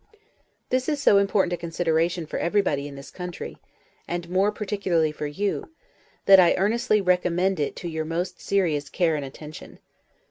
This is so important a consideration for everybody in this country, and more particularly for you, that I earnestly recommend it to your most serious care and attention.